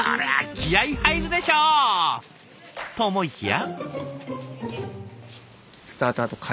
気合い入るでしょ！と思いきや。